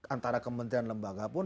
antara kementerian lembaga pun